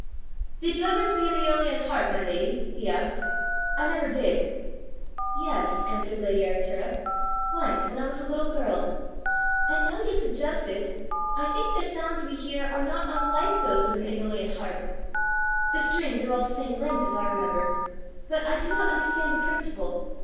Did you ever see an aeolian harp, my lady?" he asked: "I never did." "Yes," answered lady Arctura, " once, when I was a little girl. And now you suggest it, I think the sounds we hear are not unlike those of an aeolian harp! The strings are all the same length, if I remember. But I do not understand the principle.